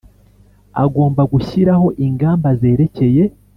Agomba gushyiraho ingamba zerekeye